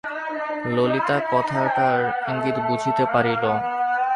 ললিতা কথাটার ইঙ্গিত বুঝিতে পারিল।